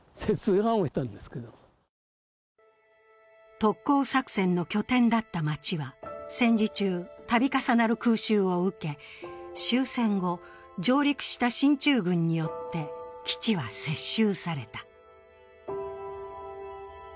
特攻作戦の拠点だったまちは戦時中、たび重なる空襲を受け終戦後、上陸した進駐軍によって基地は接収された。